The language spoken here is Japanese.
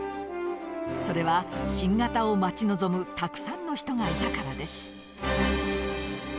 それは新型を待ち望むたくさんの人がいたからです。